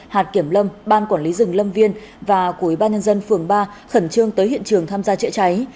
hạt kiểm lâm ban quản lý rừng lâm viên và của ủy ban nhân dân phường ba khẩn trương tới hiện trường tham gia chữa cháy